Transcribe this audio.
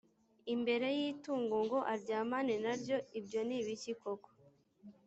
imbere y’itungo ngo aryamane na ryo ibyo ni ibiki koko